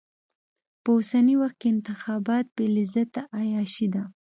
په اوسني وخت کې انتخابات بې لذته عياشي ده.